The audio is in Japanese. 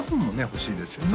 欲しいですよね